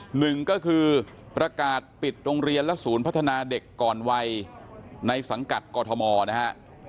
หนึ่งก็คือประกาศปิดโรงเรียนและศูนย์พัฒนาเด็กก่อนวัยในสังกัดกรทมนะฮะ